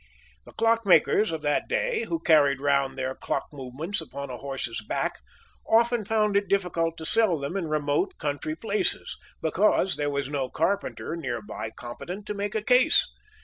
The clock makers of that day, who carried round their clock movements upon a horse's back, often found it difficult to sell them in remote country places, because there was no carpenter near by competent to make a case.